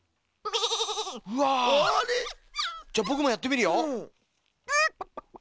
じゃぼくもやってみるよ。